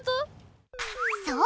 そう！